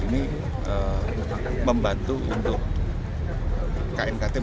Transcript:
ya termasuk itu semua